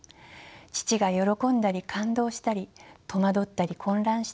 父が喜んだり感動したり戸惑ったり混乱したり。